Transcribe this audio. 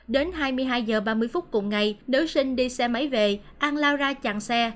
đến hai mươi hai h ba mươi phút cùng ngày nữ sinh đi xe máy về ăn lao ra chặn xe